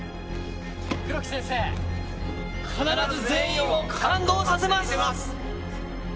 黒木先生、必ず全員を感動させます！